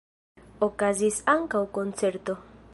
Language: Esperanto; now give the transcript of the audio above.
Okazis ankaŭ koncerto.